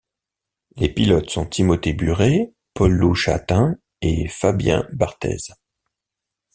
Les pilotes sont Timothé Buret, Paul-Loup Chatin et Fabien Barthez.